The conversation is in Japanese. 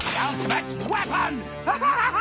ハハハハハ！